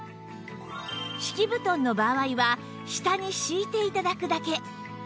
敷布団の場合は下に敷いて頂くだけ